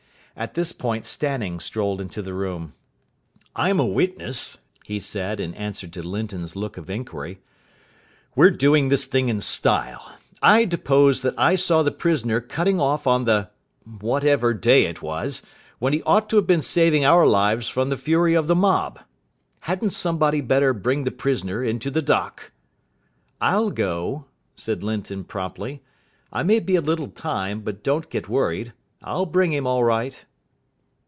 At this point Stanning strolled into the room. "I'm a witness," he said, in answer to Linton's look of inquiry. "We're doing this thing in style. I depose that I saw the prisoner cutting off on the whatever day it was, when he ought to have been saving our lives from the fury of the mob. Hadn't somebody better bring the prisoner into the dock?" "I'll go," said Linton promptly. "I may be a little time, but don't get worried. I'll bring him all right."